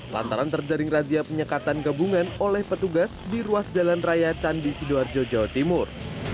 lantaran terjaring razia penyekatan gabungan oleh petugas di ruas jalan raya candi sidoarjo jawa timur